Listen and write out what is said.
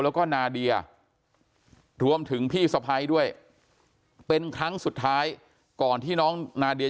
แล้วก็นาเดียรวมถึงพี่สะพ้ายด้วยเป็นครั้งสุดท้ายก่อนที่น้องนาเดีย